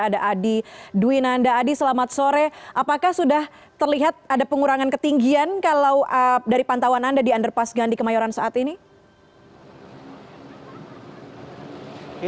ada adi dwinanda adi selamat sore apakah sudah terlihat ada pengurangan ketinggian kalau dari pantauan anda di underpass gandhi kemayoran saat ini